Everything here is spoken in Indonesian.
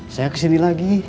saya kesini lagi